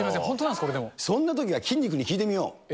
本当なんです、そんなときは筋肉に聞いてみよう。